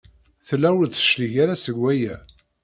Tella ur d-teclig ara seg waya.